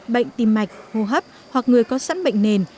bệnh tim mạch hô hấp hoặc người có sẵn bệnh nền